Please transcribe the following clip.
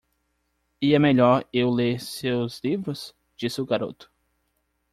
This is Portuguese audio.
"E é melhor eu ler seus livros?" disse o garoto.